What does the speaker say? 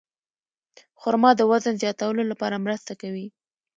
خرما د وزن زیاتولو لپاره مرسته کوي.